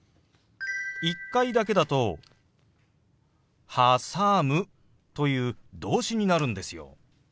１回だけだと「はさむ」という動詞になるんですよ。